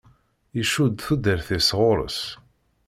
Icudd tudert-is ɣer-s.